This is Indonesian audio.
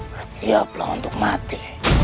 bersiaplah untuk mati